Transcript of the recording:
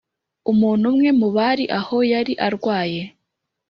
umuntu umwe mu bari aho yari yarwaye